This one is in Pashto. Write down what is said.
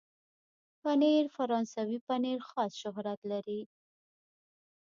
پنېر فرانسوي پنېر خاص شهرت لري.